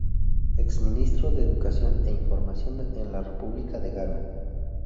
Ex ministro de Educación e Información en la República de Ghana.